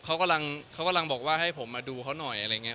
เขากำลังบอกว่าให้ผมมาดูเขาหน่อย